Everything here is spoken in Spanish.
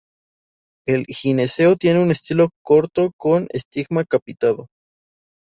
El gineceo tiene un estilo corto con estigma capitado.